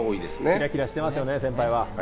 キラキラしてますね、先輩は。